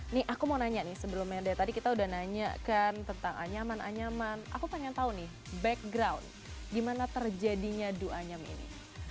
nih aku mau nanya nih sebelumnya tadi kita udah nanyakan tentang anyaman anyaman aku pengen tau nih background gimana terjadinya duanyam ini